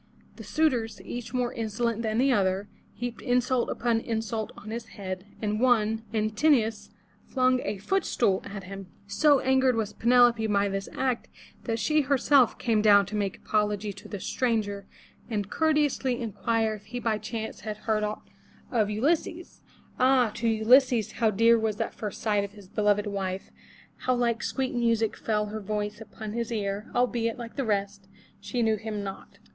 The suitors, each more insolent than the other, heaped insult upon insult on his head, and one, An tin'o us, flung a foot stool at him. So angered was Pe neFo pe by this act that she herself came down to make apology to the stranger and courteously inquire if he by chance had heard aught of Ulysses. Ah! to Ulysses how dear was that first sight of his beloved wife, how like sweet music fell her voice upon his ear, albeit, like the rest, she knew him not.